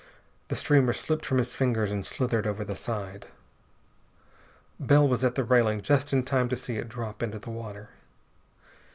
The streamer slipped from his fingers and slithered over the side. Bell was at the railing just in time to see it drop into the water.